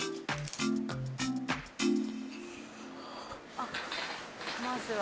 あっまずは。